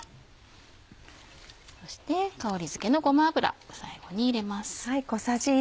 そして香りづけのごま油を最後に入れます。